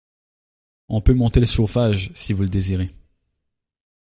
On peut monter le chauffage si vous le désirez.